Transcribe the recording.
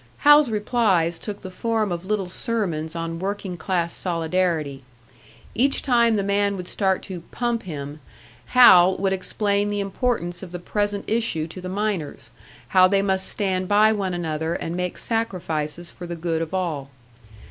Hal's replies took the form of little sermons on working class solidarity. Each time the man would start to "pump" him, Hal would explain the importance of the present issue to the miners, how they must stand by one another and make sacrifices for the good of all.